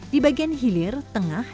di bagian hilir tengah